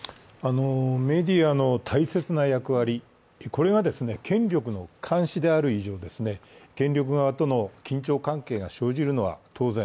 メディアの大切な役割、これは権力の監視である以上、権力側との緊張関係が生じるのは当然。